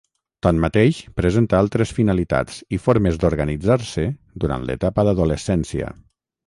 Tanmateix, presenta altres finalitats i formes d'organitzar-se durant l'etapa de l'adolescència.